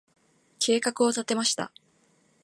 計画を立てました。